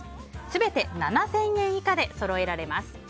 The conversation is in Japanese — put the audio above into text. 全て７０００円以下でそろえられます。